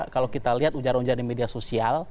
kalau kita lihat ujar ujaran di media sosial